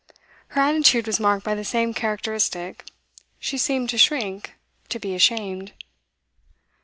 Her attitude was marked by the same characteristic; she seemed to shrink, to be ashamed.